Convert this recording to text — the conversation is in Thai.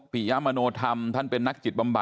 พียามมโนธรรมเป็นนักจิตบำบัด